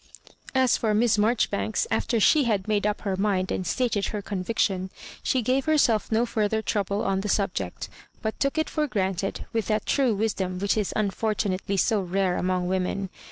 '*" As for Miss Marjoribanks, after she had made up her mind and stated her conviction, she gave herself no further trouble on the subject, but took it for granted, with that true wisdom which is un fortunately so rare among women.